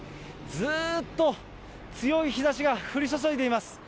ずーっと強い日ざしが降り注いでいます。